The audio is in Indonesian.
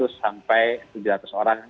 lima ratus sampai tujuh ratus orang